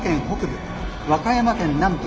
和歌山県南部